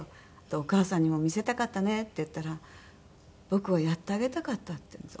「お母さんにも見せたかったね」って言ったら「僕はやってあげたかった」って言うんですよ